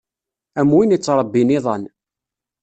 Am win ittṛebbin iḍan.